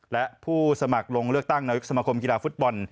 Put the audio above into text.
และผู้สมัครลงเลือกตั้งนายกสมคมกีฬาฟุตบอล